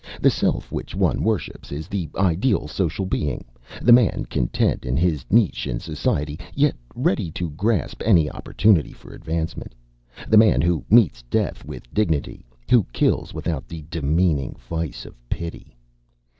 The self which one worships is the ideal social being; the man content in his niche in society, yet ready to grasp any opportunity for advancement; the man who meets death with dignity, who kills without the demeaning vice of pity.